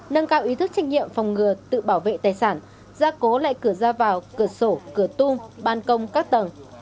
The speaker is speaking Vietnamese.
nâng cao ý thức trách nhiệm phòng ngừa tự bảo vệ tài sản gia cố lại cửa ra vào cửa sổ cửa tung ban công các tầng